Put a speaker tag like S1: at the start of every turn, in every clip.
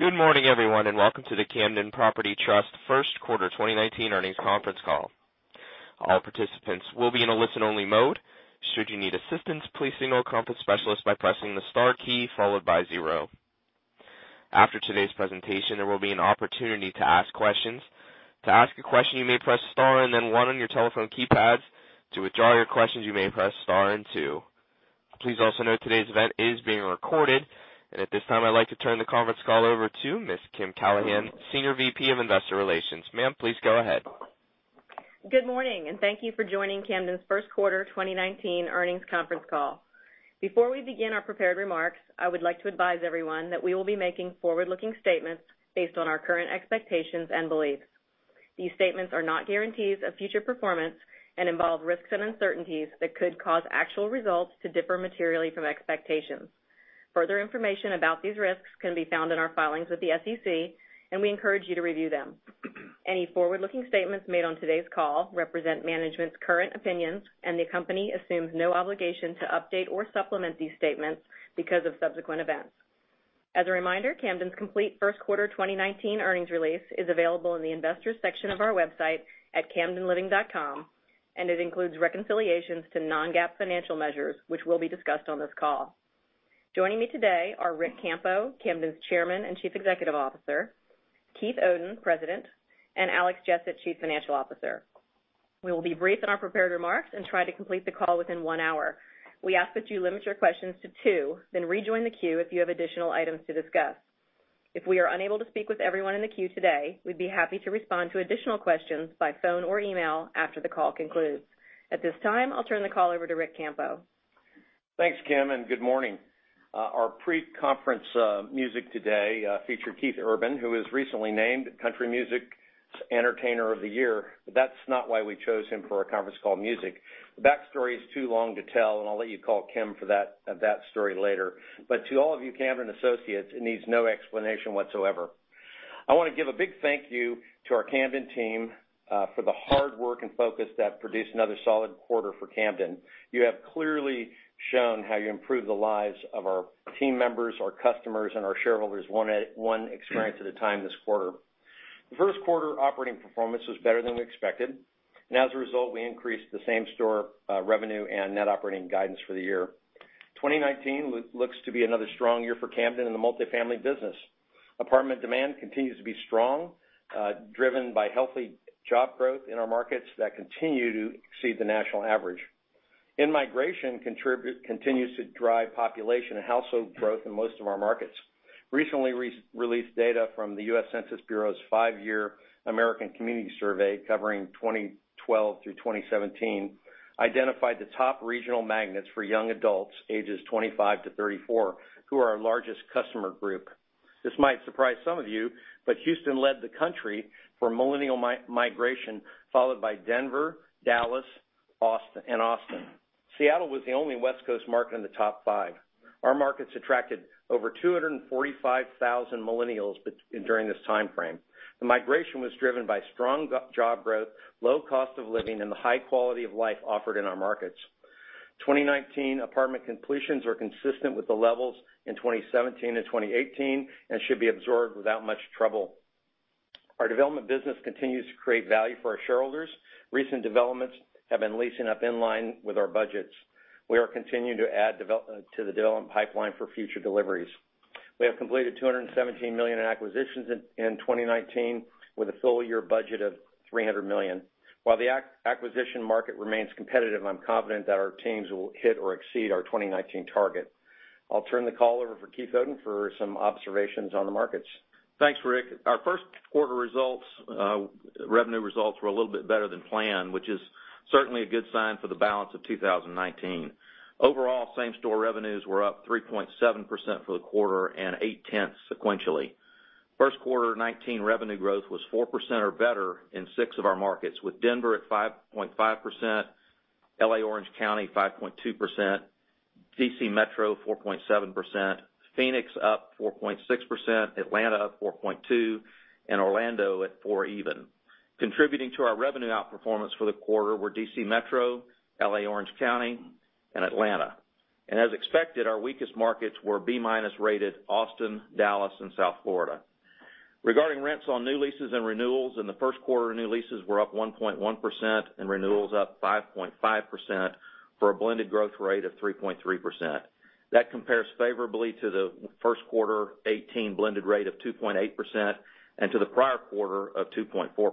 S1: Good morning, everyone, welcome to the Camden Property Trust first quarter 2019 earnings conference call. All participants will be in a listen-only mode. Should you need assistance, please signal a conference specialist by pressing the star key, followed by 0. After today's presentation, there will be an opportunity to ask questions. To ask a question, you may press star and then 1 on your telephone keypads. To withdraw your questions, you may press star and 2. Please also note today's event is being recorded. At this time, I'd like to turn the conference call over to Ms. Kimberly Callahan, Senior Vice President of Investor Relations. Ma'am, please go ahead.
S2: Good morning, thank you for joining Camden's first quarter 2019 earnings conference call. Before we begin our prepared remarks, I would like to advise everyone that we will be making forward-looking statements based on our current expectations and beliefs. These statements are not guarantees of future performance and involve risks and uncertainties that could cause actual results to differ materially from expectations. Further information about these risks can be found in our filings with the SEC, we encourage you to review them. Any forward-looking statements made on today's call represent management's current opinions, the company assumes no obligation to update or supplement these statements because of subsequent events. As a reminder, Camden's complete first quarter 2019 earnings release is available in the investors section of our website at camdenliving.com, it includes reconciliations to non-GAAP financial measures, which will be discussed on this call. Joining me today are Ric Campo, Camden's Chairman and Chief Executive Officer, Keith Oden, President, and Alex Jessett, Chief Financial Officer. We will be brief in our prepared remarks and try to complete the call within 1 hour. We ask that you limit your questions to 2, then rejoin the queue if you have additional items to discuss. If we are unable to speak with everyone in the queue today, we'd be happy to respond to additional questions by phone or email after the call concludes. At this time, I'll turn the call over to Ric Campo.
S3: Thanks, Kim, good morning. Our pre-conference music today featured Keith Urban, who was recently named Country Music's Entertainer of the Year. That's not why we chose him for our conference call music. The backstory is too long to tell, I'll let you call Kim for that story later. To all of you Camden associates, it needs no explanation whatsoever. I want to give a big thank you to our Camden team for the hard work and focus that produced another solid quarter for Camden. You have clearly shown how you improve the lives of our team members, our customers, and our shareholders 1 experience at a time this quarter. The first quarter operating performance was better than we expected, as a result, we increased the same-store revenue and net operating guidance for the year. 2019 looks to be another strong year for Camden in the multifamily business. Apartment demand continues to be strong, driven by healthy job growth in our markets that continue to exceed the national average. In-migration continues to drive population and household growth in most of our markets. Recently released data from the U.S. Census Bureau's five-year American Community Survey covering 2012 through 2017 identified the top regional magnets for young adults ages 25 to 34, who are our largest customer group. This might surprise some of you, but Houston led the country for millennial migration, followed by Denver, Dallas, and Austin. Seattle was the only West Coast market in the top five. Our markets attracted over 245,000 millennials during this timeframe. The migration was driven by strong job growth, low cost of living, and the high quality of life offered in our markets. 2019 apartment completions are consistent with the levels in 2017 to 2018 and should be absorbed without much trouble. Our development business continues to create value for our shareholders. Recent developments have been leasing up in line with our budgets. We are continuing to add to the development pipeline for future deliveries. We have completed $217 million in acquisitions in 2019 with a full-year budget of $300 million. While the acquisition market remains competitive, I'm confident that our teams will hit or exceed our 2019 target. I'll turn the call over for Keith Oden for some observations on the markets.
S4: Thanks, Ric. Our first quarter revenue results were a little bit better than planned, which is certainly a good sign for the balance of 2019. Overall, same-store revenues were up 3.7% for the quarter and 0.8% sequentially. First quarter 2019 revenue growth was 4% or better in six of our markets, with Denver at 5.5%, L.A. Orange County 5.2%, D.C. Metro 4.7%, Phoenix up 4.6%, Atlanta 4.2%, and Orlando at 4% even. Contributing to our revenue outperformance for the quarter were D.C. Metro, L.A. Orange County, and Atlanta. As expected, our weakest markets were B-minus rated Austin, Dallas, and South Florida. Regarding rents on new leases and renewals, in the first quarter, new leases were up 1.1% and renewals up 5.5% for a blended growth rate of 3.3%. That compares favorably to the first quarter 2018 blended rate of 2.8% and to the prior quarter of 2.4%.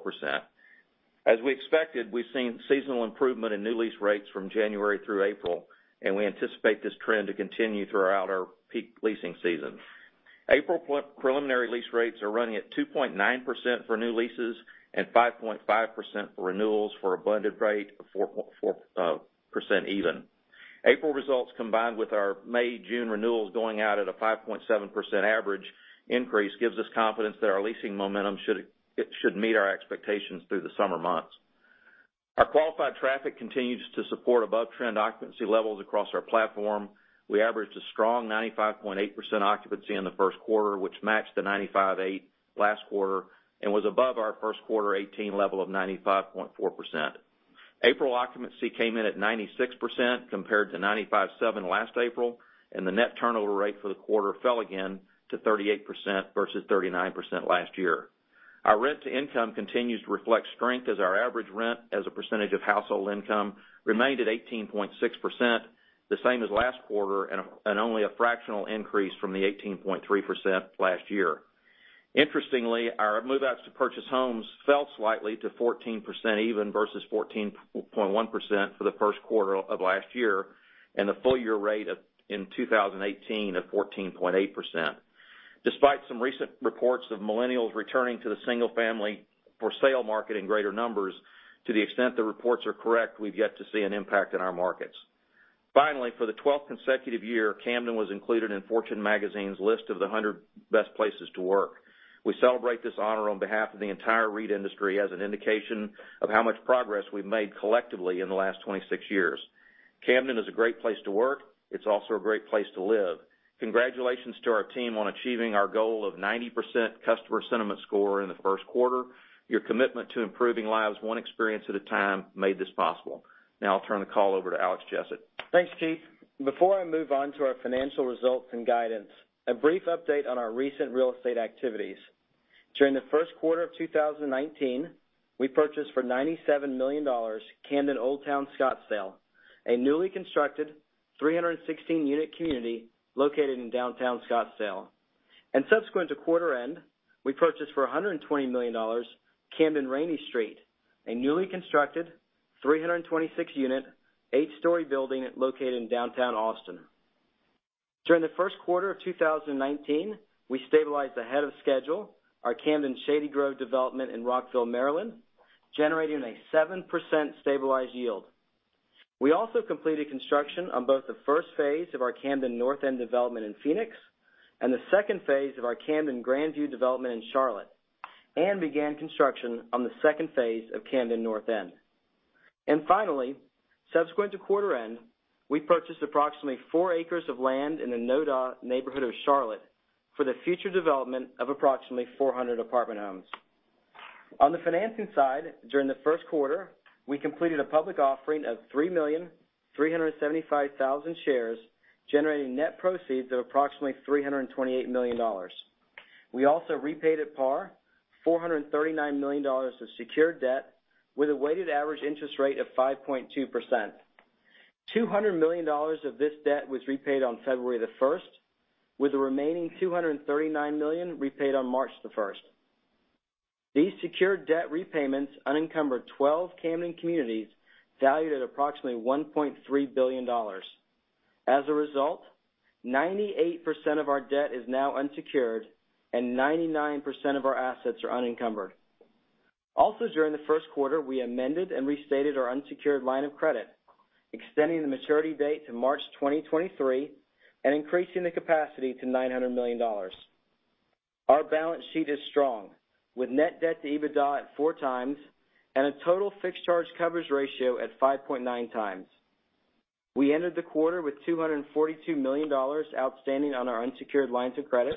S4: As we expected, we've seen seasonal improvement in new lease rates from January through April, and we anticipate this trend to continue throughout our peak leasing season. April preliminary lease rates are running at 2.9% for new leases and 5.5% for renewals for a blended rate of 4% even. April results combined with our May, June renewals going out at a 5.7% average increase gives us confidence that our leasing momentum should meet our expectations through the summer months. Our qualified traffic continues to support above-trend occupancy levels across our platform. We averaged a strong 95.8% occupancy in the first quarter, which matched the 95.8% last quarter and was above our first quarter 2018 level of 95.4%. April occupancy came in at 96%, compared to 95.7% last April, and the net turnover rate for the quarter fell again to 38% versus 39% last year. Our rent to income continues to reflect strength as our average rent as a percentage of household income remained at 18.6%, the same as last quarter, and only a fractional increase from the 18.3% last year. Interestingly, our move-outs to purchase homes fell slightly to 14% even versus 14.1% for the first quarter of last year, and the full-year rate in 2018 of 14.8%. Despite some recent reports of millennials returning to the single-family for sale market in greater numbers, to the extent the reports are correct, we've yet to see an impact in our markets. Finally, for the 12th consecutive year, Camden was included in Fortune Magazine's list of the 100 best places to work. We celebrate this honor on behalf of the entire REIT industry as an indication of how much progress we've made collectively in the last 26 years. Camden is a great place to work. It's also a great place to live. Congratulations to our team on achieving our goal of 90% customer sentiment score in the first quarter. Your commitment to improving lives one experience at a time made this possible. Now I'll turn the call over to Alex Jessett.
S5: Thanks, chief. Before I move on to our financial results and guidance, a brief update on our recent real estate activities. During the first quarter of 2019, we purchased for $97 million Camden Old Town Scottsdale, a newly constructed 316-unit community located in downtown Scottsdale. Subsequent to quarter end, we purchased for $120 million Camden Rainey Street, a newly constructed 326-unit, eight-story building located in downtown Austin. During the first quarter of 2019, we stabilized ahead of schedule our Camden Shady Grove development in Rockville, Maryland, generating a 7% stabilized yield. We also completed construction on both the phase 1 of our Camden North End development in Phoenix and the phase 2 of our Camden Grandview development in Charlotte and began construction on the phase 2 of Camden North End. Finally, subsequent to quarter end, we purchased approximately four acres of land in the NoDa neighborhood of Charlotte for the future development of approximately 400 apartment homes. On the financing side, during the first quarter, we completed a public offering of 3,375,000 shares, generating net proceeds of approximately $328 million. We also repaid at par $439 million of secured debt with a weighted average interest rate of 5.2%. $200 million of this debt was repaid on February the 1st, with the remaining $239 million repaid on March the 1st. These secured debt repayments unencumbered 12 Camden communities valued at approximately $1.3 billion. As a result, 98% of our debt is now unsecured, and 99% of our assets are unencumbered. Also during the first quarter, we amended and restated our unsecured line of credit, extending the maturity date to March 2023 and increasing the capacity to $900 million. Our balance sheet is strong, with net debt to EBITDA at 4 times and a total fixed charge coverage ratio at 5.9 times. We ended the quarter with $242 million outstanding on our unsecured lines of credit.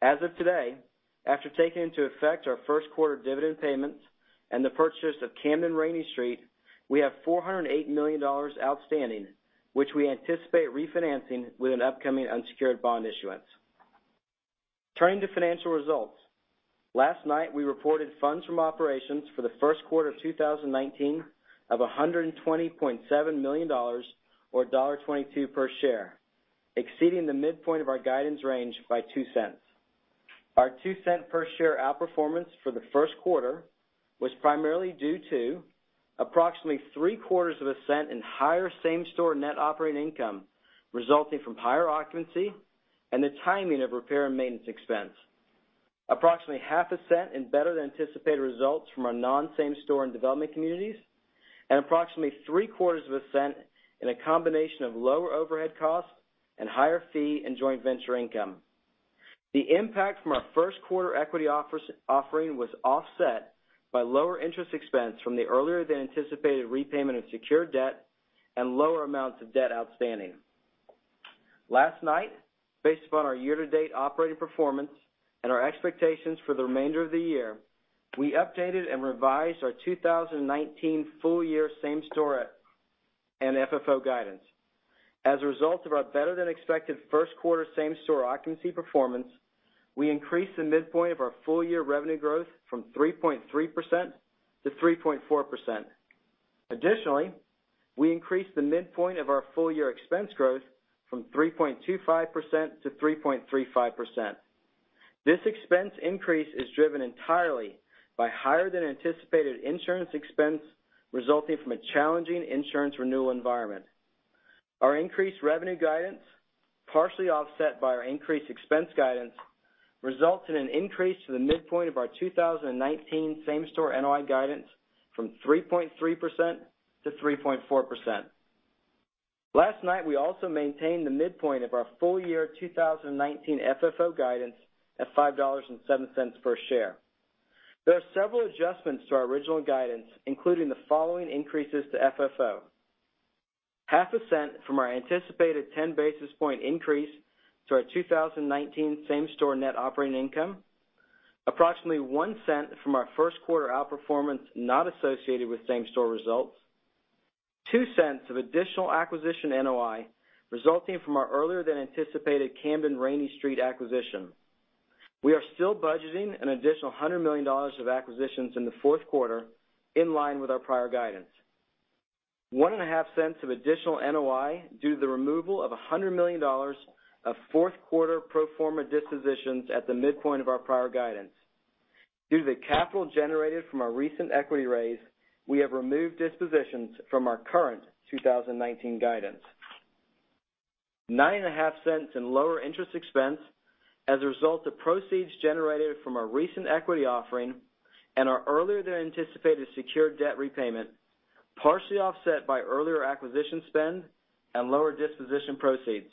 S5: As of today, after taking into effect our first quarter dividend payments and the purchase of Camden Rainey Street, we have $408 million outstanding, which we anticipate refinancing with an upcoming unsecured bond issuance. Turning to financial results. Last night, we reported FFO for the first quarter of 2019 of $120.7 million, or $1.22 per share, exceeding the midpoint of our guidance range by $0.02. Our $0.02 per share outperformance for the first quarter was primarily due to approximately three quarters of a cent in higher same-store NOI resulting from higher occupancy and the timing of repair and maintenance expense. Approximately half a cent in better-than-anticipated results from our non-same store and development communities, and approximately three quarters of a cent in a combination of lower overhead costs and higher fee and joint venture income. The impact from our first quarter equity offering was offset by lower interest expense from the earlier than anticipated repayment of secured debt and lower amounts of debt outstanding. Last night, based upon our year-to-date operating performance and our expectations for the remainder of the year, we updated and revised our 2019 full year same-store and FFO guidance. As a result of our better-than-expected first quarter same-store occupancy performance, we increased the midpoint of our full year revenue growth from 3.3% to 3.4%. Additionally, we increased the midpoint of our full year expense growth from 3.25% to 3.35%. This expense increase is driven entirely by higher than anticipated insurance expense resulting from a challenging insurance renewal environment. Our increased revenue guidance, partially offset by our increased expense guidance, results in an increase to the midpoint of our 2019 same-store NOI guidance from 3.3% to 3.4%. Last night, we also maintained the midpoint of our full year 2019 FFO guidance at $5.07 per share. There are several adjustments to our original guidance, including the following increases to FFO. Half a cent from our anticipated 10-basis-point increase to our 2019 same-store NOI. Approximately $0.01 from our first quarter outperformance not associated with same-store results. $0.02 of additional acquisition NOI resulting from our earlier-than-anticipated Camden Rainey Street acquisition. We are still budgeting an additional $100 million of acquisitions in the fourth quarter, in line with our prior guidance. One and a half cents of additional NOI due to the removal of $100 million of fourth-quarter pro forma dispositions at the midpoint of our prior guidance. Due to the capital generated from our recent equity raise, we have removed dispositions from our current 2019 guidance. Nine and a half cents in lower interest expense as a result of proceeds generated from our recent equity offering and our earlier-than-anticipated secured debt repayment, partially offset by earlier acquisition spend and lower disposition proceeds.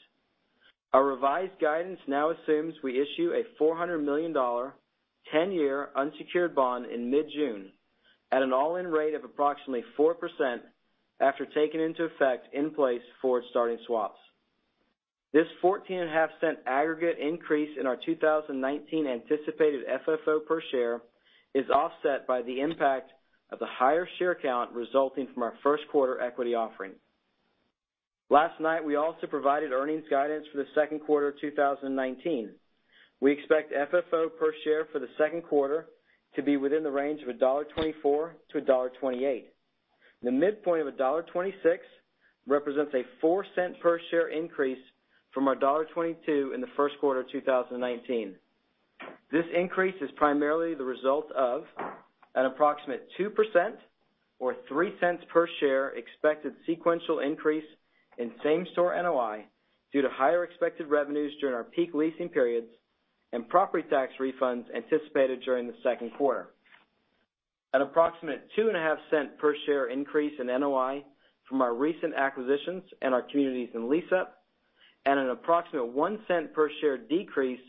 S5: Our revised guidance now assumes we issue a $400 million, 10-year unsecured bond in mid-June at an all-in rate of approximately 4% after taking into effect in-place forward starting swaps. This 14-and-a-half-cent aggregate increase in our 2019 anticipated FFO per share is offset by the impact of the higher share count resulting from our first quarter equity offering. Last night, we also provided earnings guidance for the second quarter of 2019. We expect FFO per share for the second quarter to be within the range of $1.24-$1.28. The midpoint of $1.26 represents a $0.04 per share increase from our $1.22 in the first quarter of 2019. This increase is primarily the result of an approximate 2% or $0.03 per share expected sequential increase in same-store NOI due to higher expected revenues during our peak leasing periods and property tax refunds anticipated during the second quarter. An approximate $0.025 per share increase in NOI from our recent acquisitions and our communities in lease-up, and an approximate $0.01 per share decrease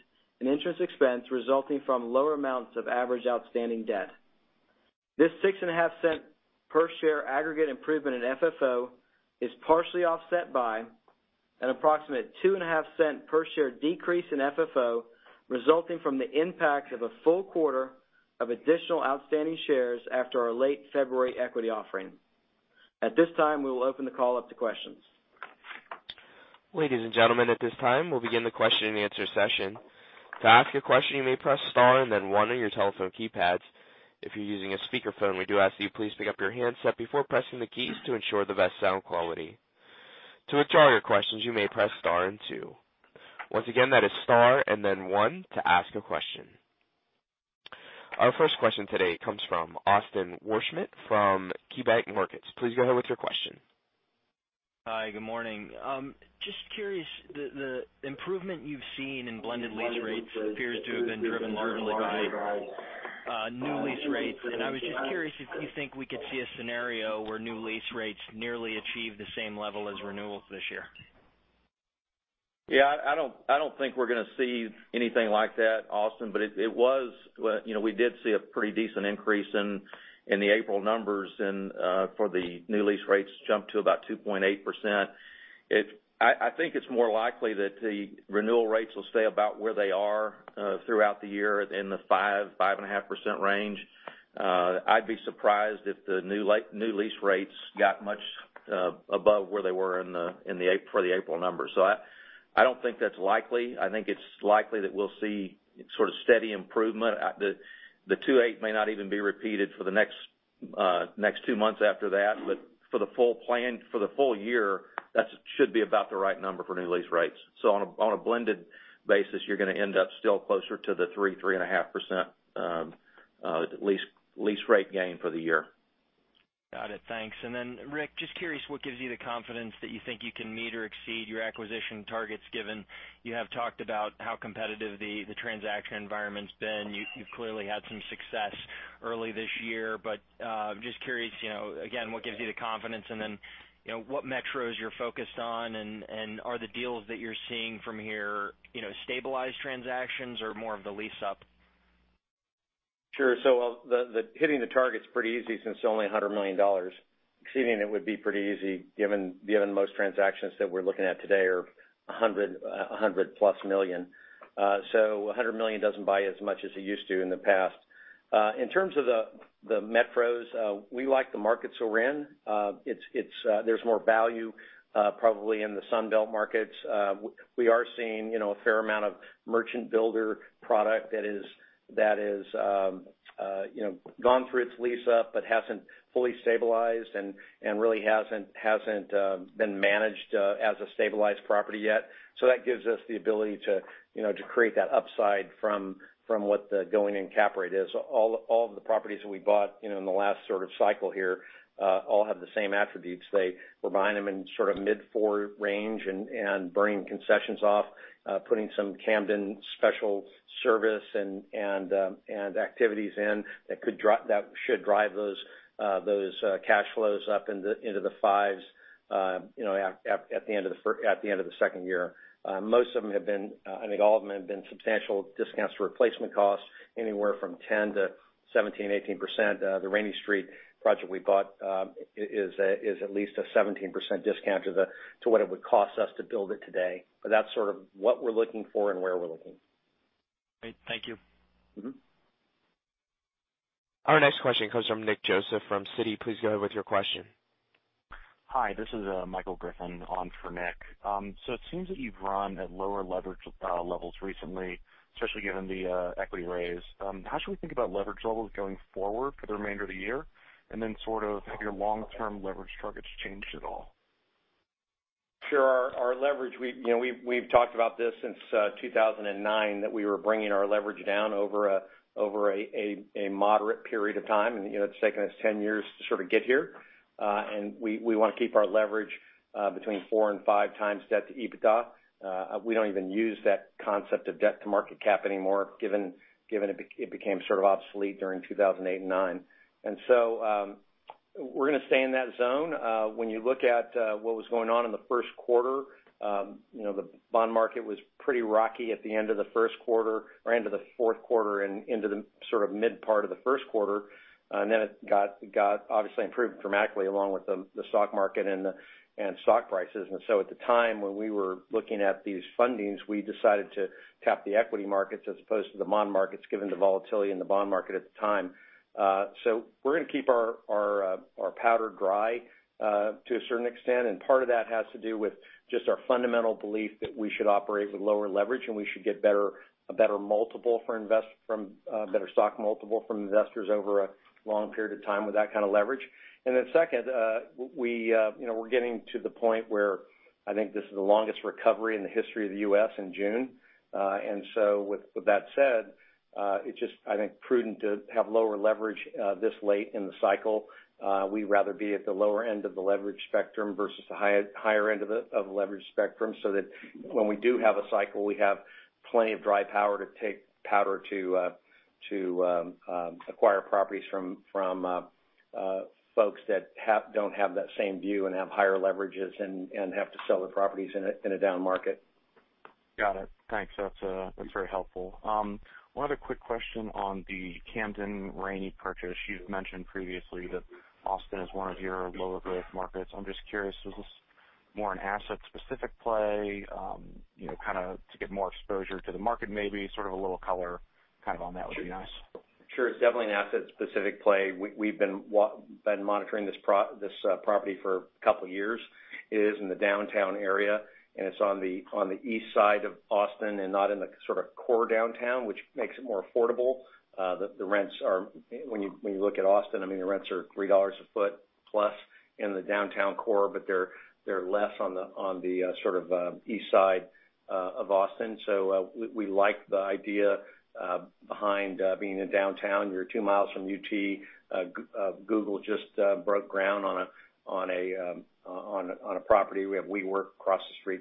S5: in interest expense resulting from lower amounts of average outstanding debt. This $0.065 per share aggregate improvement in FFO is partially offset by an approximate $0.025 per share decrease in FFO resulting from the impact of a full quarter of additional outstanding shares after our late February equity offering. At this time, we will open the call up to questions.
S1: Ladies and gentlemen, at this time, we will begin the question and answer session. To ask a question, you may press star and then one on your telephone keypads. If you are using a speakerphone, we do ask that you please pick up your handset before pressing the keys to ensure the best sound quality. To withdraw your questions, you may press star and two. Once again, that is star and then one to ask a question. Our first question today comes from Austin Wurschmidt from KeyBanc Markets. Please go ahead with your question.
S6: Hi. Good morning. Just curious, the improvement you have seen in blended lease rates appears to have been driven largely by new lease rates. I was just curious if you think we could see a scenario where new lease rates nearly achieve the same level as renewals this year.
S4: I don't think we're going to see anything like that, Austin, we did see a pretty decent increase in the April numbers and for the new lease rates jump to about 2.8%. I think it's more likely that the renewal rates will stay about where they are throughout the year in the 5%-5.5% range. I'd be surprised if the new lease rates got much above where they were for the April numbers. I don't think that's likely. I think it's likely that we'll see sort of steady improvement. The 2.8 may not even be repeated for the next two months after that, for the full year, that should be about the right number for new lease rates. On a blended basis, you're going to end up still closer to the 3%-3.5% lease rate gain for the year.
S6: Got it. Thanks. Ric, just curious, what gives you the confidence that you think you can meet or exceed your acquisition targets, given you have talked about how competitive the transaction environment's been. You've clearly had some success early this year, but just curious, again, what gives you the confidence and then, what metros you're focused on, and are the deals that you're seeing from here stabilized transactions or more of the lease-up?
S3: Sure. Hitting the target's pretty easy since it's only $100 million. Exceeding it would be pretty easy given most transactions that we're looking at today are $100-plus million. $100 million doesn't buy as much as it used to in the past. In terms of the metros, we like the markets we're in. There's more value, probably in the Sun Belt markets. We are seeing a fair amount of merchant builder product that has gone through its lease-up but hasn't fully stabilized and really hasn't been managed as a stabilized property yet. That gives us the ability to create that upside from what the going-in cap rate is. All of the properties that we bought in the last sort of cycle here, all have the same attributes. We're buying them in sort of mid four range and bringing concessions off, putting some Camden special service and activities in that should drive those cash flows up into the fives at the end of the second year. Most of them have been, I think all of them have been substantial discounts to replacement costs, anywhere from 10% to 17%, 18%. The Camden Rainey Street project we bought is at least a 17% discount to what it would cost us to build it today. That's sort of what we're looking for and where we're looking.
S6: Great. Thank you.
S1: Our next question comes from Nick Joseph from Citi. Please go ahead with your question.
S7: Hi, this is Michael Griffin on for Nick. It seems that you've run at lower leverage levels recently, especially given the equity raise. How should we think about leverage levels going forward for the remainder of the year, have your long-term leverage targets changed at all?
S3: Sure. Our leverage, we've talked about this since 2009, that we were bringing our leverage down over a moderate period of time. It's taken us 10 years to sort of get here. We want to keep our leverage between four and five times debt to EBITDA. We don't even use that concept of debt to market cap anymore, given it became sort of obsolete during 2008 and '9. We're going to stay in that zone. When you look at what was going on in the first quarter, the bond market was pretty rocky at the end of the first quarter, or into the fourth quarter, and into the sort of mid part of the first quarter. Then it obviously improved dramatically along with the stock market and stock prices. At the time when we were looking at these fundings, we decided to tap the equity markets as opposed to the bond markets, given the volatility in the bond market at the time. We're going to keep our powder dry to a certain extent, and part of that has to do with just our fundamental belief that we should operate with lower leverage, and we should get a better stock multiple from investors over a long period of time with that kind of leverage. Then second, we're getting to the point where I think this is the longest recovery in the history of the U.S. in June. With that said, it's just, I think, prudent to have lower leverage this late in the cycle. We'd rather be at the lower end of the leverage spectrum versus the higher end of the leverage spectrum, so that when we do have a cycle, we have plenty of dry powder to acquire properties from folks that don't have that same view and have higher leverages and have to sell their properties in a down market.
S7: Got it. Thanks. That's very helpful. One other quick question on the Camden Rainey purchase. You've mentioned previously that Austin is one of your lower-growth markets. I'm just curious, is this more an asset-specific play, kind of to get more exposure to the market maybe? Sort of a little color kind of on that would be nice.
S3: Sure. It's definitely an asset-specific play. We've been monitoring this property for a couple of years. It is in the downtown area, and it's on the east side of Austin and not in the sort of core downtown, which makes it more affordable. When you look at Austin, the rents are $3 a foot plus in the downtown core, but they're less on the sort of east side of Austin. We like the idea behind being in downtown. You're 2 miles from UT. Google just broke ground on a property. We have WeWork across the street.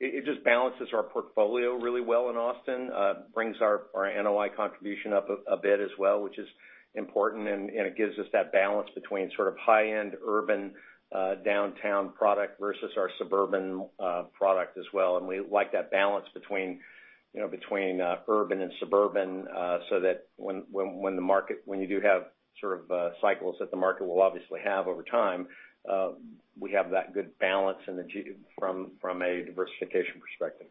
S3: It just balances our portfolio really well in Austin, brings our NOI contribution up a bit as well, which is important, and it gives us that balance between sort of high-end urban downtown product versus our suburban product as well. We like that balance between urban and suburban, so that when you do have sort of cycles that the market will obviously have over time, we have that good balance from a diversification perspective.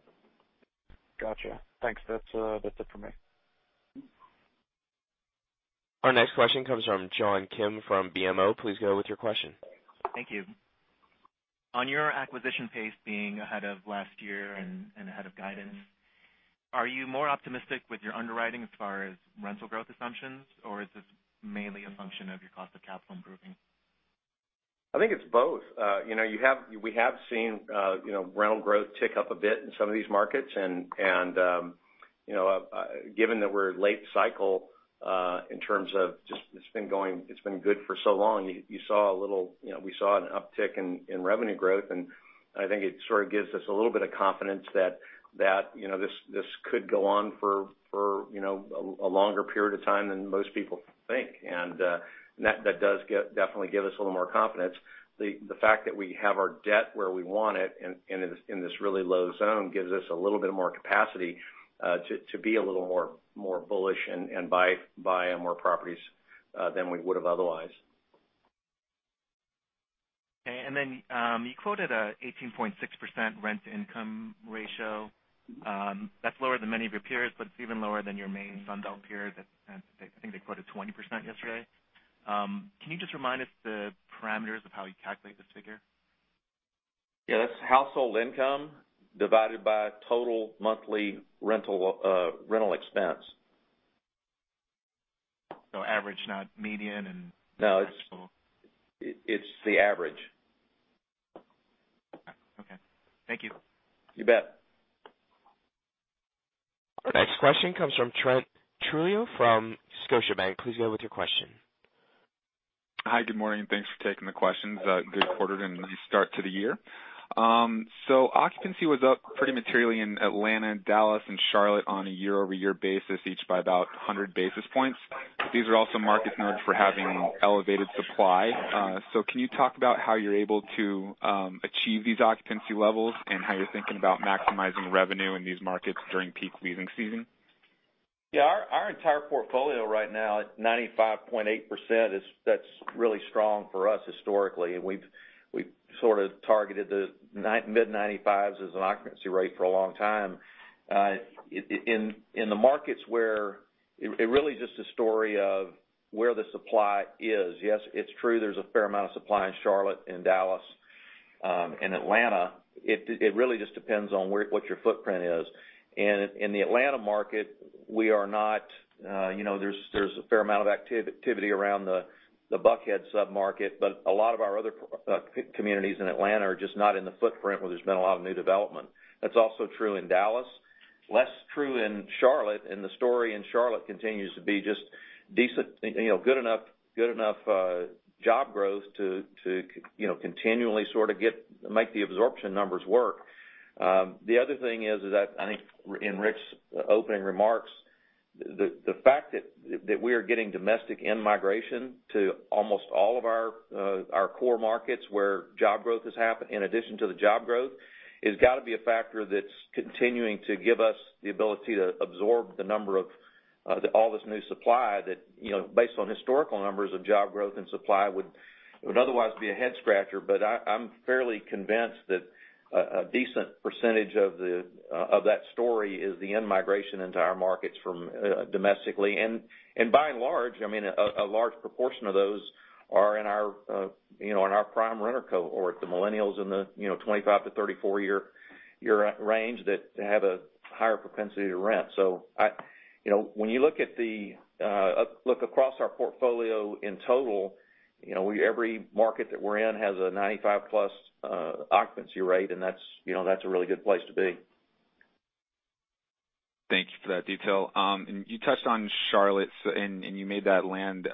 S7: Got you. Thanks. That's it for me.
S1: Our next question comes from John Kim from BMO. Please go with your question.
S8: Thank you. On your acquisition pace being ahead of last year and ahead of guidance, are you more optimistic with your underwriting as far as rental growth assumptions, or is this mainly a function of your cost of capital improving?
S3: I think it's both. We have seen rental growth tick up a bit in some of these markets, given that we're late cycle in terms of just it's been good for so long, we saw an uptick in revenue growth, I think it sort of gives us a little bit of confidence that this could go on for a longer period of time than most people think. That does definitely give us a little more confidence. The fact that we have our debt where we want it, in this really low zone, gives us a little bit more capacity to be a little more bullish and buy more properties than we would've otherwise.
S8: Okay. Then, you quoted an 18.6% rent-to-income ratio. That's lower than many of your peers, it's even lower than your main Sunbelt peer that I think they quoted 20% yesterday. Can you just remind us the parameters of how you calculate this figure?
S3: Yeah, that's household income divided by total monthly rental expense.
S8: Average, not median and-
S3: No. It's the average.
S8: Okay. Thank you.
S3: You bet.
S1: Our next question comes from Trent Trujillo from Scotiabank. Please go with your question.
S9: Hi. Good morning, and thanks for taking the questions. A good quarter and a nice start to the year. Occupancy was up pretty materially in Atlanta, Dallas, and Charlotte on a year-over-year basis, each by about 100 basis points. These are also markets known for having elevated supply. Can you talk about how you're able to achieve these occupancy levels and how you're thinking about maximizing revenue in these markets during peak leasing season?
S4: Yeah. Our entire portfolio right now at 95.8%, that's really strong for us historically. We've sort of targeted the mid 95s as an occupancy rate for a long time. In the markets where it really just a story of where the supply is. Yes, it's true there's a fair amount of supply in Charlotte, in Dallas, and Atlanta. It really just depends on what your footprint is. In the Atlanta market, there's a fair amount of activity around the Buckhead submarket, but a lot of our other communities in Atlanta are just not in the footprint where there's been a lot of new development. That's also true in Dallas, less true in Charlotte, and the story in Charlotte continues to be just decent, good enough job growth to continually sort of make the absorption numbers work. The other thing is that I think in Ric's opening remarks, the fact that we are getting domestic in-migration to almost all of our core markets where job growth has happened in addition to the job growth, has got to be a factor that's continuing to give us the ability to absorb the number of all this new supply that, based on historical numbers of job growth and supply, would otherwise be a head-scratcher. I'm fairly convinced that a decent percentage of that story is the in-migration into our markets from domestically. By and large, a large proportion of those are in our prime renter cohort, the millennials in the 25-34 year range that have a higher propensity to rent. When you look across our portfolio in total, every market that we're in has a 95-plus occupancy rate, and that's a really good place to be.
S9: Thank you for that detail. You touched on Charlotte, and you made that land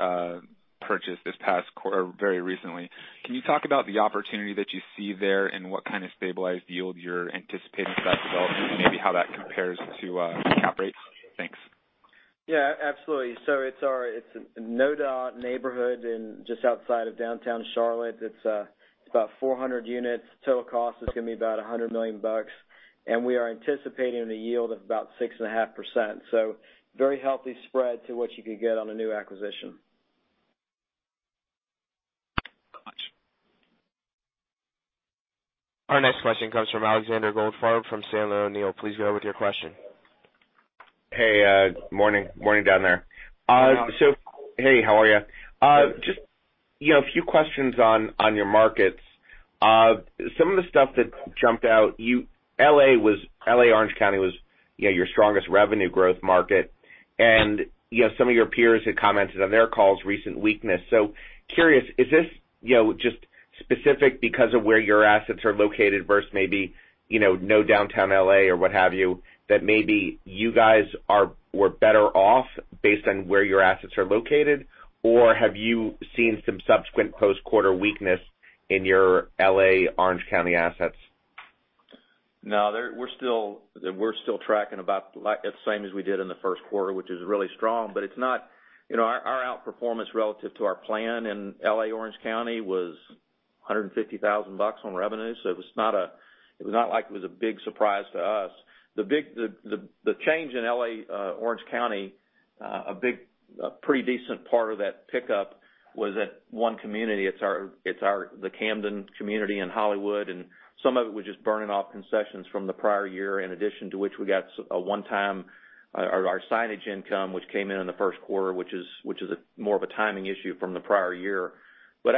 S9: purchase this past quarter very recently. Can you talk about the opportunity that you see there and what kind of stabilized yield you're anticipating for that development, and maybe how that compares to cap rates? Thanks.
S5: Yeah, absolutely. It's a NoDa neighborhood just outside of downtown Charlotte. It's about 400 units. Total cost is going to be about $100 million, and we are anticipating a yield of about 6.5%. Very healthy spread to what you could get on a new acquisition.
S9: Gotcha.
S1: Our next question comes from Alexander Goldfarb from Sandler O'Neill. Please go ahead with your question.
S10: Hey, morning. Morning down there.
S4: Morning.
S10: Hey, how are you?
S4: Good.
S10: Just a few questions on your markets. Some of the stuff that jumped out, L.A. Orange County was your strongest revenue growth market. Some of your peers had commented on their calls, recent weakness. Curious, is this just specific because of where your assets are located versus maybe, no downtown L.A. or what have you, that maybe you guys were better off based on where your assets are located? Have you seen some subsequent post-quarter weakness in your L.A. Orange County assets?
S4: We're still tracking about the same as we did in the first quarter, which is really strong. Our outperformance relative to our plan in L.A. Orange County was $150,000 on revenue, it was not like it was a big surprise to us. The change in L.A. Orange County, a pretty decent part of that pickup was at one community. It's the Camden community in Hollywood, some of it was just burning off concessions from the prior year, in addition to which we got a one-time, our signage income, which came in in the first quarter, which is more of a timing issue from the prior year. Of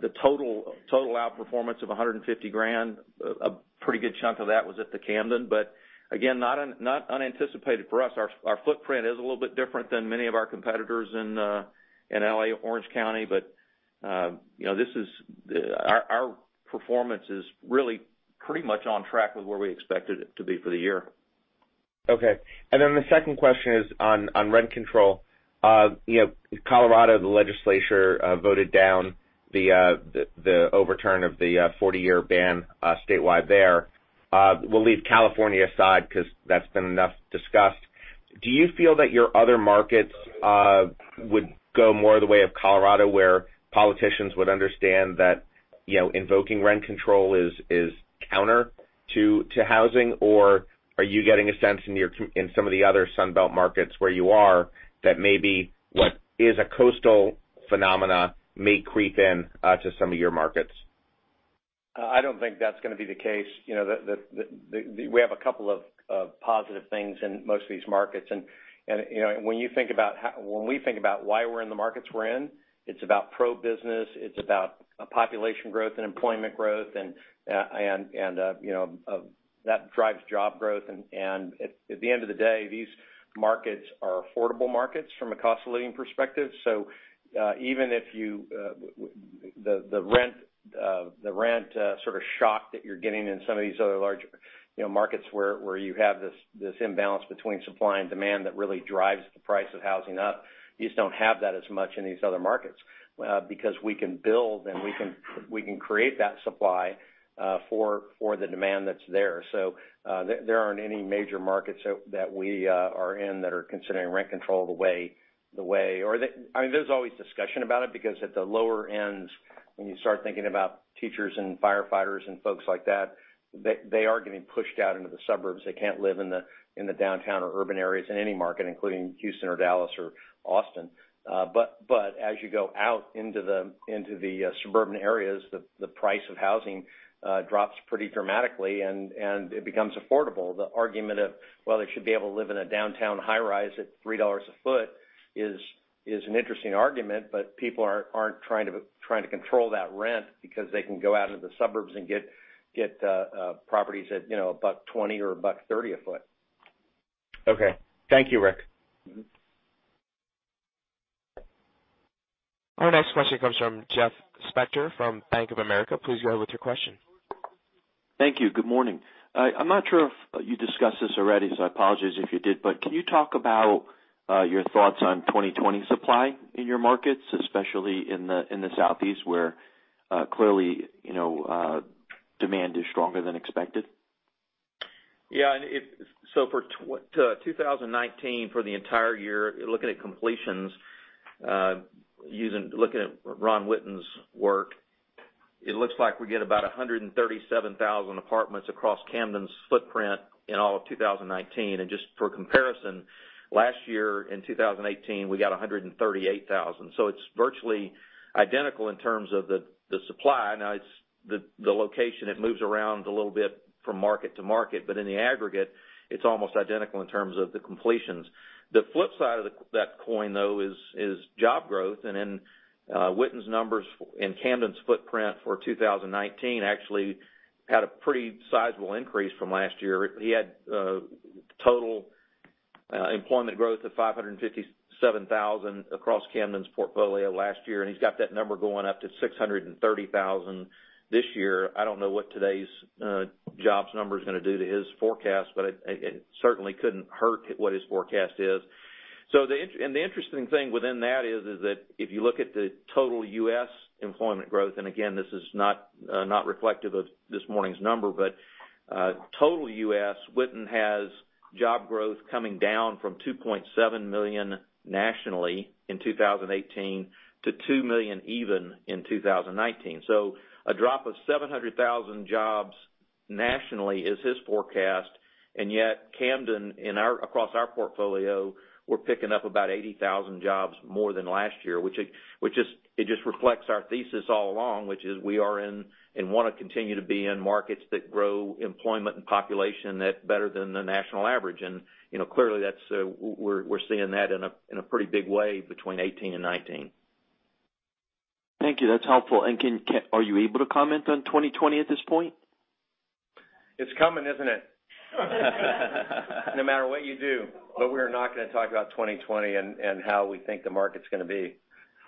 S4: the total outperformance of $150,000, a pretty good chunk of that was at the Camden. Again, not unanticipated for us. Our footprint is a little bit different than many of our competitors in L.A. Orange County, our performance is really pretty much on track with where we expected it to be for the year.
S10: Okay. Then the second question is on rent control. Colorado, the legislature voted down the overturn of the 40-year ban statewide there. We'll leave California aside because that's been enough discussed. Do you feel that your other markets would go more the way of Colorado, where politicians would understand that invoking rent control is counter to housing? Or are you getting a sense in some of the other Sun Belt markets where you are that maybe what is a coastal phenomena may creep in to some of your markets?
S4: I don't think that's going to be the case. We have a couple of positive things in most of these markets, when we think about why we're in the markets we're in, it's about pro-business, it's about population growth and employment growth, and that drives job growth. At the end of the day, these markets are affordable markets from a cost of living perspective. Even if the rent sort of shock that you're getting in some of these other large markets where you have this imbalance between supply and demand that really drives the price of housing up, you just don't have that as much in these other markets. Because we can build and we can create that supply for the demand that's there. There aren't any major markets that we are in that are considering rent control the way. There's always discussion about it, because at the lower ends, when you start thinking about teachers and firefighters and folks like that, they are getting pushed out into the suburbs. They can't live in the downtown or urban areas in any market, including Houston or Dallas or Austin. As you go out into the suburban areas, the price of housing drops pretty dramatically, and it becomes affordable. The argument of, well, they should be able to live in a downtown high-rise at $3 a foot is an interesting argument, people aren't trying to control that rent because they can go out into the suburbs and get properties at $1.20 or $1.30 a foot.
S10: Okay. Thank you, Ric.
S1: Our next question comes from Jeff Spector from Bank of America. Please go ahead with your question.
S11: Thank you. Good morning. I'm not sure if you discussed this already, so I apologize if you did, but can you talk about your thoughts on 2020 supply in your markets, especially in the Southeast, where clearly, demand is stronger than expected?
S4: Yeah. For 2019, for the entire year, looking at completions, looking at Ron Witten's work, it looks like we get about 137,000 apartments across Camden's footprint in all of 2019. Just for comparison, last year, in 2018, we got 138,000. It's virtually identical in terms of the supply. Now, the location, it moves around a little bit from market to market, but in the aggregate, it's almost identical in terms of the completions. The flip side of that coin, though, is job growth, and Witten's numbers in Camden's footprint for 2019 actually had a pretty sizable increase from last year. He had total employment growth of 557,000 across Camden's portfolio last year, and he's got that number going up to 630,000 this year. I don't know what today's jobs number's going to do to his forecast, but it certainly couldn't hurt what his forecast is. The interesting thing within that is that if you look at the total U.S. employment growth, and again, this is not reflective of this morning's number, but total U.S., Witten has job growth coming down from 2.7 million nationally in 2018 to 2 million even in 2019. A drop of 700,000 jobs nationally is his forecast, and yet Camden, across our portfolio, we're picking up about 80,000 jobs more than last year. It just reflects our thesis all along, which is we are in and want to continue to be in markets that grow employment and population that are better than the national average. Clearly, we're seeing that in a pretty big way between 2018 and 2019.
S11: Thank you. That's helpful. Are you able to comment on 2020 at this point?
S4: It's coming, isn't it? No matter what you do, we're not going to talk about 2020 and how we think the market's going to be.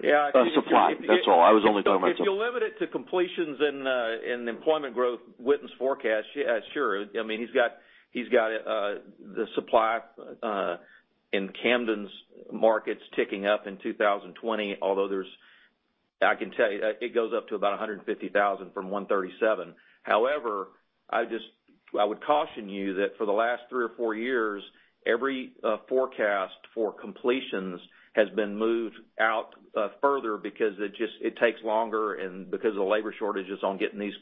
S11: On supply. That's all. I was only talking about supply.
S4: If you limit it to completions and employment growth, Witten's forecast, yeah, sure. He's got the supply in Camden's markets ticking up in 2020, although there's I can tell you, it goes up to about 150,000 from 137. However, I would caution you that for the last three or four years, every forecast for completions has been moved out further because it takes longer and because of the labor shortages on getting these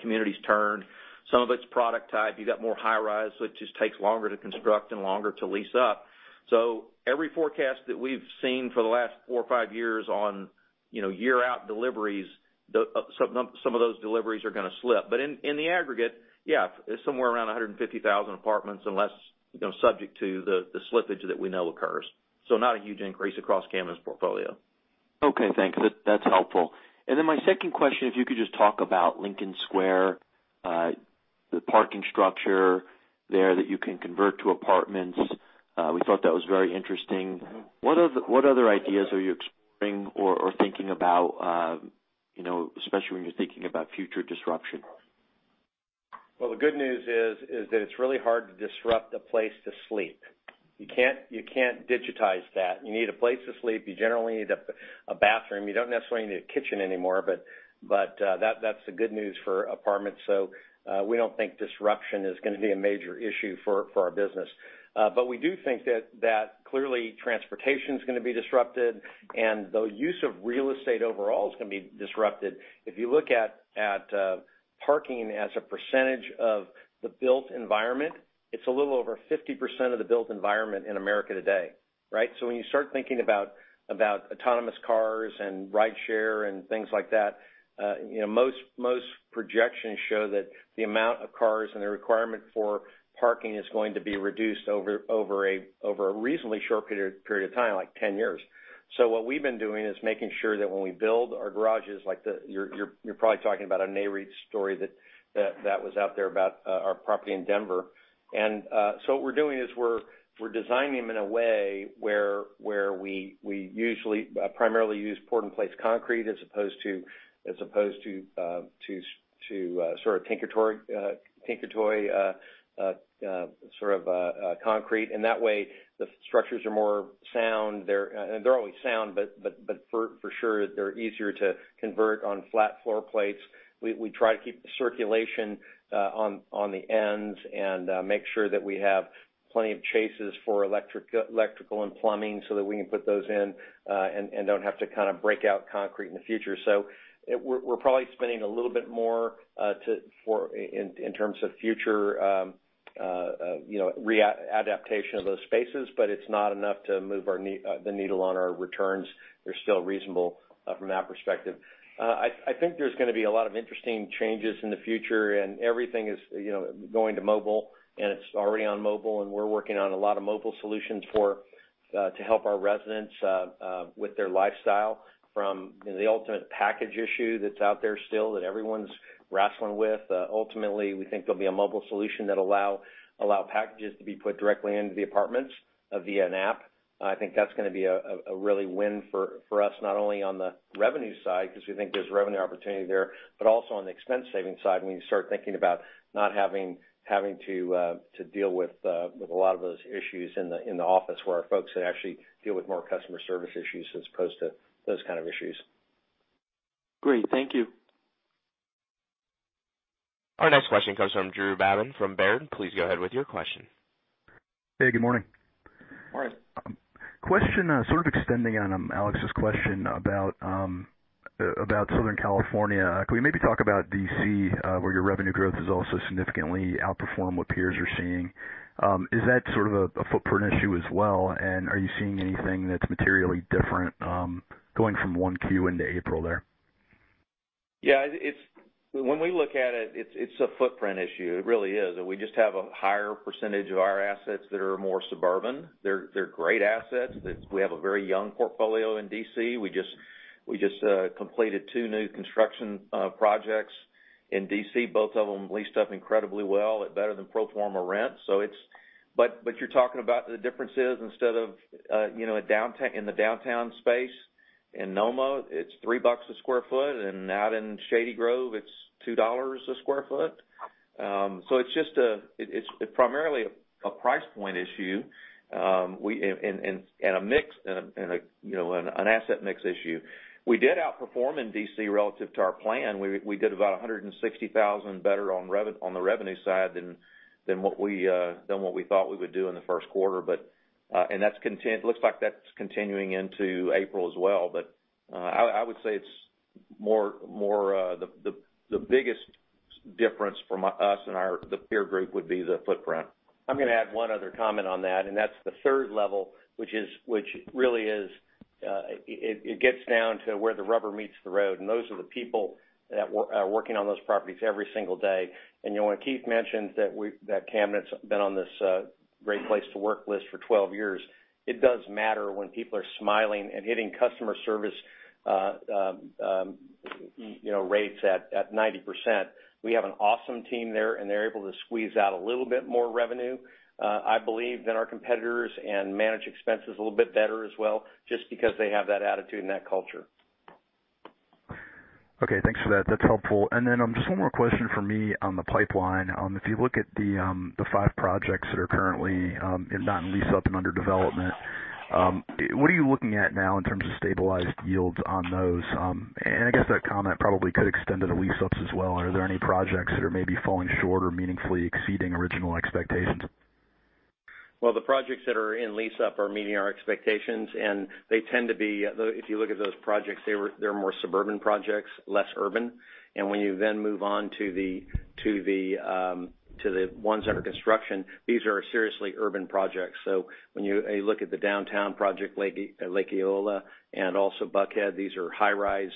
S4: communities turned. Some of it's product type. You got more high-rise, so it just takes longer to construct and longer to lease up. Every forecast that we've seen for the last four or five years on year-out deliveries, some of those deliveries are going to slip. In the aggregate, yeah, it's somewhere around 150,000 apartments, unless subject to the slippage that we know occurs. Not a huge increase across Camden's portfolio.
S11: Okay, thanks. That's helpful. My second question, if you could just talk about Lincoln Square, the parking structure there that you can convert to apartments. We thought that was very interesting. What other ideas are you exploring or thinking about, especially when you're thinking about future disruption?
S3: Well, the good news is that it's really hard to disrupt a place to sleep. You can't digitize that. You need a place to sleep. You generally need a bathroom. You don't necessarily need a kitchen anymore, but that's the good news for apartments. We don't think disruption is going to be a major issue for our business. We do think that clearly transportation's going to be disrupted, and the use of real estate overall is going to be disrupted. If you look at parking as a percentage of the built environment, it's a little over 50% of the built environment in America today. When you start thinking about autonomous cars and ride share and things like that, most projections show that the amount of cars and the requirement for parking is going to be reduced over a reasonably short period of time, like 10 years.
S4: What we've been doing is making sure that when we build our garages, like you're probably talking about a NAREIT story that was out there about our property in Denver. What we're doing is we're designing them in a way where we usually primarily use port and place concrete as opposed to sort of tinker toy concrete. In that way, the structures are more sound. They're always sound, but for sure, they're easier to convert on flat floor plates. We try to keep the circulation on the ends and make sure that we have plenty of chases for electrical and plumbing so that we can put those in and don't have to kind of break out concrete in the future. We're probably spending a little bit more in terms of future adaptation of those spaces, but it's not enough to move the needle on our returns. They're still reasonable from that perspective. I think there's going to be a lot of interesting changes in the future, and everything is going to mobile, and it's already on mobile, and we're working on a lot of mobile solutions to help our residents with their lifestyle, from the ultimate package issue that's out there still that everyone's wrestling with. Ultimately, we think there'll be a mobile solution that allow packages to be put directly into the apartments via an app. I think that's going to be a really win for us, not only on the revenue side, because we think there's revenue opportunity there, but also on the expense-saving side, when you start thinking about not having to deal with a lot of those issues in the office, where our folks could actually deal with more customer service issues as opposed to those kind of issues.
S11: Great. Thank you.
S1: Our next question comes from Drew Babin from Baird. Please go ahead with your question.
S12: Hey, good morning.
S4: Morning.
S12: Question sort of extending on Alex's question about Southern California. Could we maybe talk about D.C., where your revenue growth has also significantly outperformed what peers are seeing? Is that sort of a footprint issue as well, and are you seeing anything that's materially different, going from 1Q into April there?
S4: When we look at it's a footprint issue. It really is. We just have a higher percentage of our assets that are more suburban. They're great assets. We have a very young portfolio in D.C. We just completed two new construction projects in D.C. Both of them leased up incredibly well at better than pro forma rent. You're talking about the difference is instead of in the downtown space in NoMa, it's $3 a square foot, and out in Camden Shady Grove, it's $2 a square foot. It's primarily a price point issue, and an asset mix issue. We did outperform in D.C. relative to our plan. We did about $160,000 better on the revenue side than what we thought we would do in the first quarter. It looks like that's continuing into April as well. I would say the biggest difference from us and the peer group would be the footprint.
S3: I'm going to add one other comment on that, and that's the third level, which really is, it gets down to where the rubber meets the road, and those are the people that are working on those properties every single day. When Keith Oden mentions that Camden's been on this, Great Place to Work list for 12 years, it does matter when people are smiling and hitting customer service rates at 90%. We have an awesome team there, and they're able to squeeze out a little bit more revenue, I believe, than our competitors, and manage expenses a little bit better as well, just because they have that attitude and that culture.
S12: Thanks for that. That's helpful. Just one more question from me on the pipeline. If you look at the five projects that are currently not in lease-up and under development, what are you looking at now in terms of stabilized yields on those? I guess that comment probably could extend to the lease-ups as well. Are there any projects that are maybe falling short or meaningfully exceeding original expectations?
S4: The projects that are in lease-up are meeting our expectations, and they tend to be, if you look at those projects, they're more suburban projects, less urban. When you then move on to the ones that are under construction, these are seriously urban projects. When you look at the downtown project, Lake Eola, and also Buckhead, these are high-rise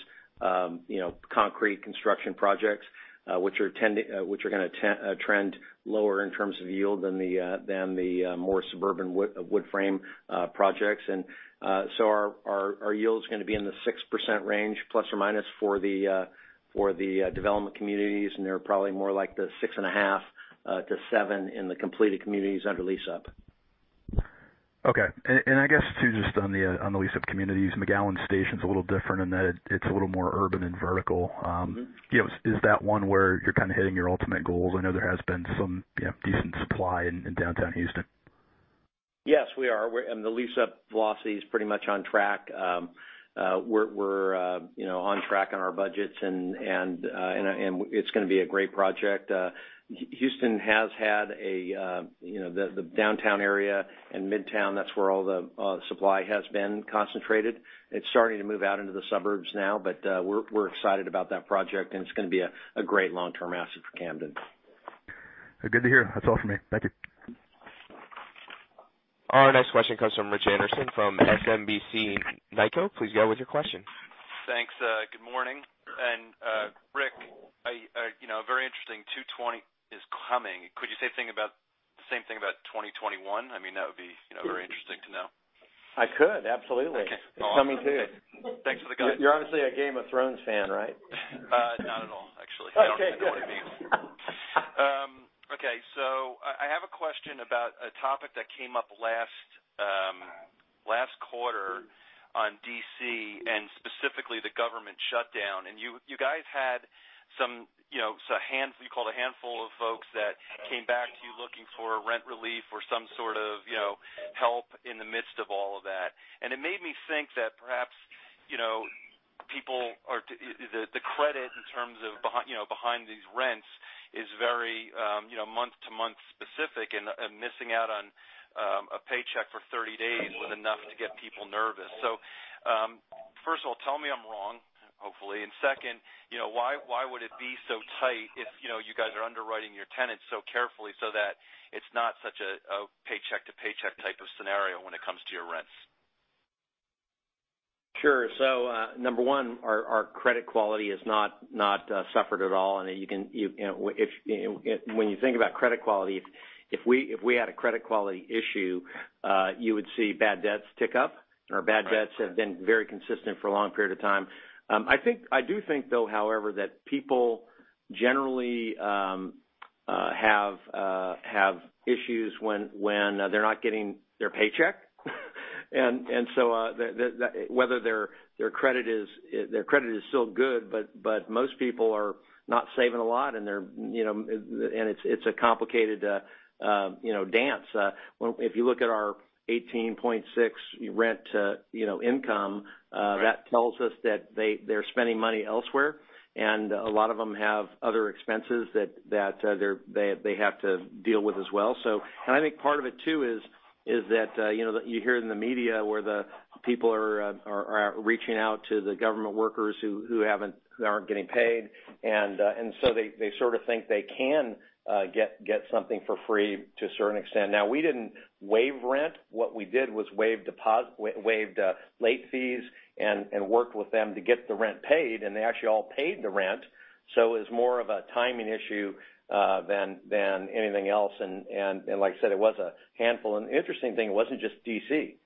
S4: concrete construction projects, which are going to trend lower in terms of yield than the more suburban wood-frame projects. Our yield's going to be in the 6% range, ±, for the development communities, and they're probably more like the 6.5%-7% in the completed communities under lease-up.
S12: Okay. I guess, too, just on the lease-up communities, Camden McGowen Station's a little different in that it's a little more urban and vertical. Is that one where you're kind of hitting your ultimate goals? I know there has been some decent supply in downtown Houston.
S4: Yes, we are. The lease-up velocity is pretty much on track. We're on track on our budgets, and it's going to be a great project. Houston has had the downtown area and Midtown. That's where all the supply has been concentrated. It's starting to move out into the suburbs now, but we're excited about that project, and it's going to be a great long-term asset for Camden.
S12: Good to hear. That's all for me. Thank you.
S1: Our next question comes from Rich Anderson from SMBC Nikko. Please go with your question.
S13: Thanks. Good morning. Ric, very interesting, 2020 is coming. Could you say the same thing about 2021? That would be very interesting to know.
S4: I could, absolutely.
S13: Okay.
S4: It's coming too.
S13: Thanks for the guide.
S4: You're obviously a "Game of Thrones" fan, right?
S13: Not at all, actually.
S4: Okay.
S13: I don't even know what it means. I have a question about a topic that came up last quarter on D.C., specifically the government shutdown. You guys had what you called a handful of folks that came back to you looking for rent relief or some sort of help in the midst of all of that. It made me think that perhaps the credit in terms of behind these rents is very month-to-month specific, and missing out on a paycheck for 30 days was enough to get people nervous. First of all, tell me I'm wrong. Hopefully. Second, why would it be so tight if you guys are underwriting your tenants so carefully so that it's not such a paycheck to paycheck type of scenario when it comes to your rents?
S3: Sure. Number one, our credit quality has not suffered at all. When you think about credit quality, if we had a credit quality issue, you would see bad debts tick up. Our bad debts have been very consistent for a long period of time. I do think, though, however, that people generally have issues when they're not getting their paycheck. Whether their credit is still good, but most people are not saving a lot, and it's a complicated dance. If you look at our 18.6 rent income, that tells us that they're spending money elsewhere, and a lot of them have other expenses that they have to deal with as well. I think part of it too is that you hear it in the media where the people are reaching out to the government workers who aren't getting paid. They sort of think they can get something for free to a certain extent. Now, we didn't waive rent. What we did was waived late fees and worked with them to get the rent paid, and they actually all paid the rent. It was more of a timing issue than anything else, and like I said, it was a handful. The interesting thing, it wasn't just D.C.,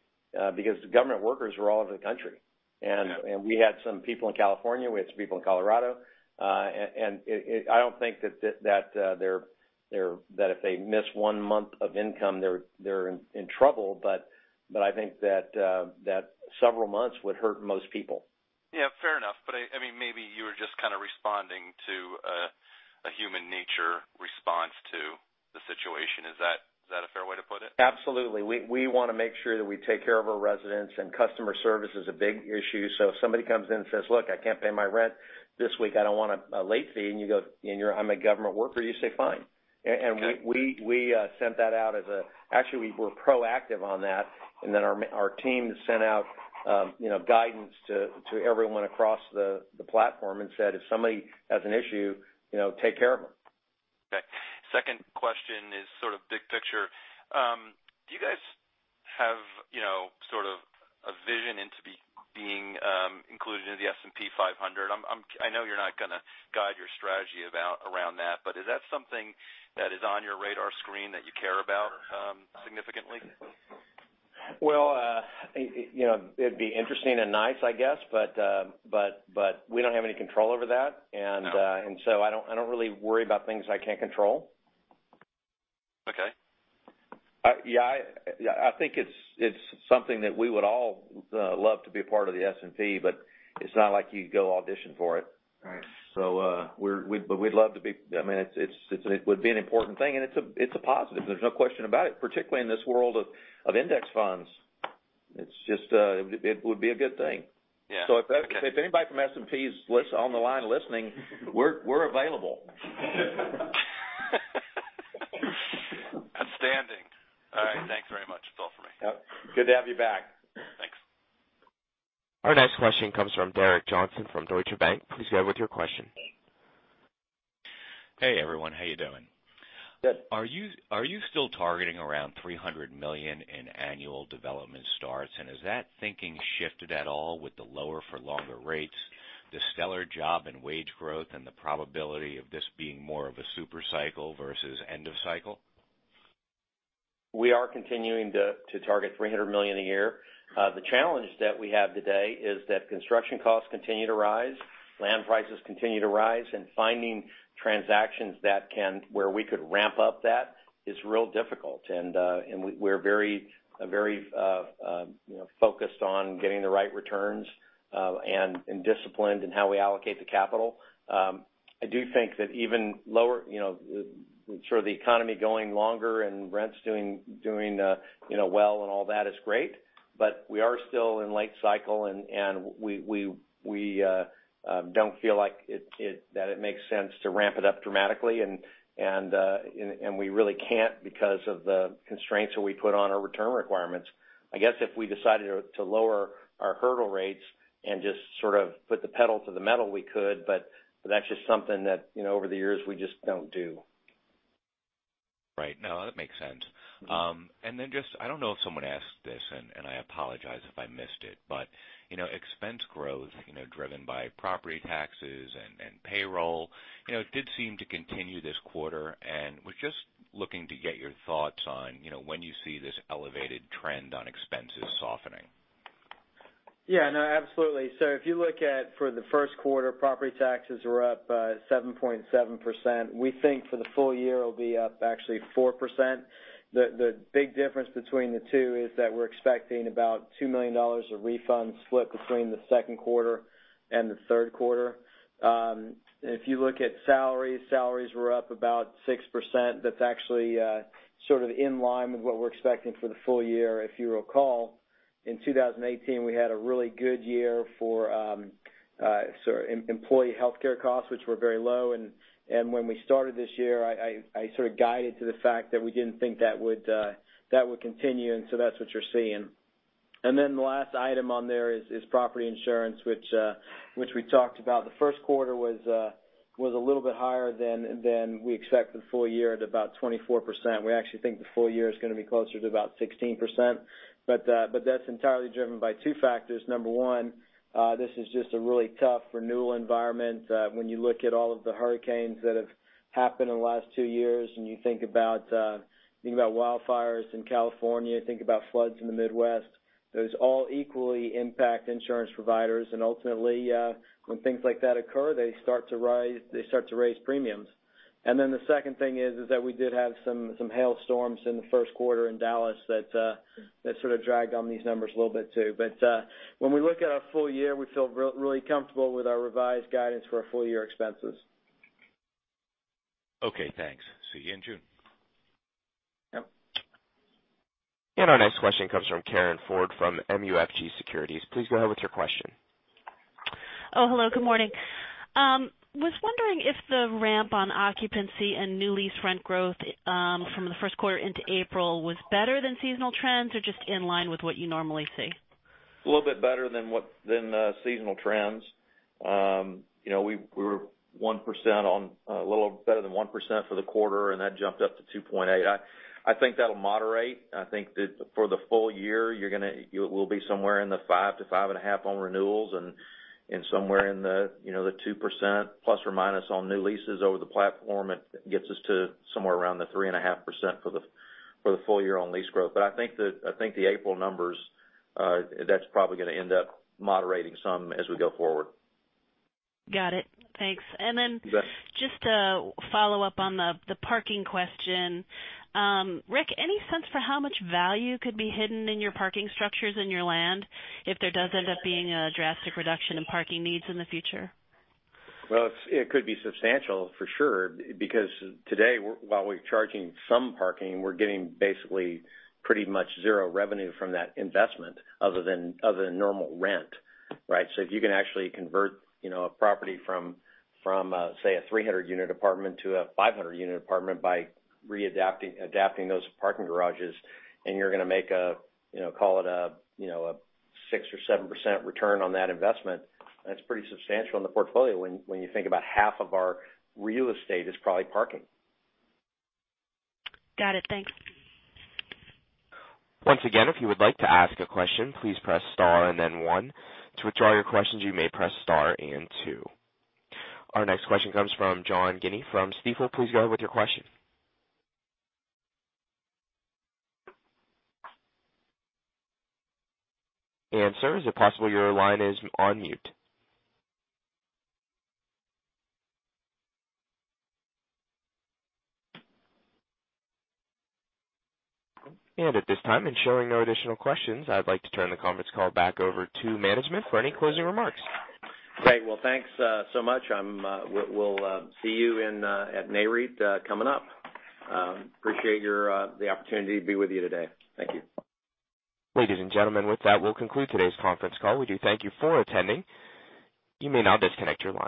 S3: because the government workers were all over the country.
S13: Yeah.
S3: We had some people in California, we had some people in Colorado. I don't think that if they miss one month of income, they're in trouble, but I think that several months would hurt most people.
S13: Yeah, fair enough. Maybe you were just kind of responding to a human nature response to the situation. Is that a fair way to put it?
S3: Absolutely. We want to make sure that we take care of our residents, and customer service is a big issue. If somebody comes in and says, "Look, I can't pay my rent this week. I don't want a late fee." And I'm a government worker, you say, "Fine.
S13: Okay.
S3: We sent that out. Actually, we were proactive on that, and then our team sent out guidance to everyone across the platform and said, "If somebody has an issue, take care of them.
S13: Okay. Second question is sort of big picture. Do you guys have sort of a vision into being included in the S&P 500? I know you're not going to guide your strategy around that, but is that something that is on your radar screen that you care about significantly?
S3: Well, it'd be interesting and nice, I guess. We don't have any control over that.
S13: Okay.
S3: I don't really worry about things I can't control.
S13: Okay.
S4: Yeah. I think it's something that we would all love to be a part of the S&P, but it's not like you go audition for it.
S13: Right.
S4: It would be an important thing, and it's a positive, there's no question about it, particularly in this world of index funds. It would be a good thing.
S13: Yeah.
S4: If anybody from S&P is on the line listening, we're available.
S13: Outstanding. All right. Thanks very much. That's all for me.
S3: Yep. Good to have you back.
S13: Thanks.
S1: Our next question comes from Derek Johnson from Deutsche Bank. Please go ahead with your question.
S14: Hey, everyone. How you doing?
S3: Good.
S14: Are you still targeting around $300 million in annual development starts? Has that thinking shifted at all with the lower for longer rates, the stellar job and wage growth, and the probability of this being more of a super cycle versus end of cycle?
S3: We are continuing to target $300 million a year. The challenge that we have today is that construction costs continue to rise, land prices continue to rise, and finding transactions where we could ramp up that is real difficult. We're very focused on getting the right returns, and disciplined in how we allocate the capital. I do think that even lower sort of the economy going longer and rents doing well and all that is great, but we are still in late cycle, and we don't feel like that it makes sense to ramp it up dramatically. We really can't because of the constraints that we put on our return requirements. I guess if we decided to lower our hurdle rates and just sort of put the pedal to the metal, we could, but that's just something that, over the years, we just don't do.
S14: Right. No, that makes sense. I don't know if someone asked this, and I apologize if I missed it, but expense growth driven by property taxes and payroll did seem to continue this quarter, was just looking to get your thoughts on when you see this elevated trend on expenses softening.
S3: Yeah. No, absolutely. If you look at, for the first quarter, property taxes were up 7.7%. We think for the full year, it'll be up actually 4%. The big difference between the two is that we're expecting about $2 million of refunds split between the second quarter and the third quarter. If you look at salaries were up about 6%. That's actually sort of in line with what we're expecting for the full year. If you recall, in 2018, we had a really good year for employee healthcare costs, which were very low. When we started this year, I sort of guided to the fact that we didn't think that would continue, that's what you're seeing.
S5: The last item on there is property insurance, which we talked about. The first quarter was a little bit higher than we expect the full year at about 24%. We actually think the full year is going to be closer to about 16%, but that's entirely driven by two factors. Number one, this is just a really tough renewal environment. When you look at all of the hurricanes that have happened in the last two years, and you think about wildfires in California, think about floods in the Midwest. Those all equally impact insurance providers, and ultimately, when things like that occur, they start to raise premiums. The second thing is that we did have some hail storms in the first quarter in Dallas that sort of dragged on these numbers a little bit too. When we look at our full year, we feel really comfortable with our revised guidance for our full year expenses.
S14: Okay, thanks. See you in June.
S5: Yep.
S1: Our next question comes from Karin Ford, from MUFG Securities. Please go ahead with your question.
S15: Hello. Good morning. I was wondering if the ramp on occupancy and new lease rent growth from the first quarter into April was better than seasonal trends, or just in line with what you normally see?
S4: A little bit better than the seasonal trends. We were a little better than 1% for the quarter, and that jumped up to 2.8%. I think that'll moderate. I think that for the full year, we'll be somewhere in the 5%-5.5% on renewals, and somewhere in the ±2% on new leases over the platform. It gets us to somewhere around the 3.5% for the full year on lease growth. I think the April numbers, that's probably going to end up moderating some as we go forward.
S15: Got it. Thanks.
S4: You bet.
S15: Just to follow up on the parking question, Ric, any sense for how much value could be hidden in your parking structures in your land if there does end up being a drastic reduction in parking needs in the future?
S3: Well, it could be substantial, for sure, because today, while we're charging some parking, we're getting basically pretty much zero revenue from that investment other than normal rent. Right? If you can actually convert a property from, say, a 300-unit apartment to a 500-unit apartment by adapting those parking garages, and you're going to make, call it, a 6% or 7% return on that investment, that's pretty substantial in the portfolio when you think about half of our real estate is probably parking.
S15: Got it. Thanks.
S1: Once again, if you would like to ask a question, please press star and then one. To withdraw your questions, you may press star and two. Our next question comes from John Guinee from Stifel. Please go ahead with your question. Sir, is it possible your line is on mute? At this time, in showing no additional questions, I'd like to turn the conference call back over to management for any closing remarks.
S3: Great. Well, thanks so much. We'll see you at Nareit, coming up. Appreciate the opportunity to be with you today. Thank you.
S1: Ladies and gentlemen, with that, we'll conclude today's conference call. We do thank you for attending. You may now disconnect your lines.